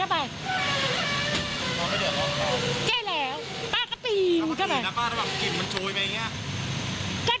ป้าก็ตีนนะป้ากินมันโชว์อยู่ไหนวะ